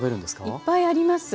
いっぱいあります。